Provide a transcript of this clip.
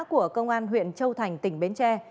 của công an huyện châu thành tỉnh bến tre